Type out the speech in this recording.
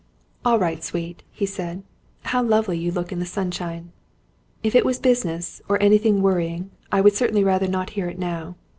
"All right, sweet," he said. "How lovely you look in the sunshine! If it was business, or anything worrying, I would certainly rather not hear it now.